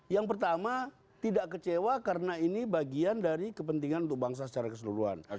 yang pertama tidak kecewa karena ini bagian dari kepentingan untuk bangsa secara keseluruhan